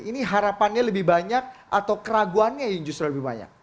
ini harapannya lebih banyak atau keraguannya yang justru lebih banyak